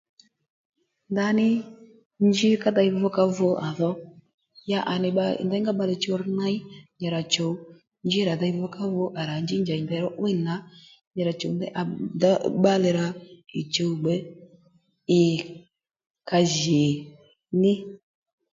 Ndaní njí ka dey vukávu à dho ya à nì bbalè nděyngá bbalè chuw rř ney nyì rà chùw njí rà dey vukávu à rà njí njèy ndèy ró 'wíy nì nà nyi rà chùw bbalè rà ì chùw ì ka jì ní